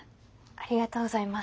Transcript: ありがとうございます。